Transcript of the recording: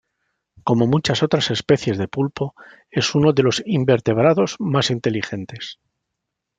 Como muchas otras especies de pulpo, es uno de los invertebrados más inteligentes.